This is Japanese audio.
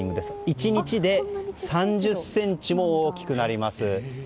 １日で３０ｃｍも大きくなります。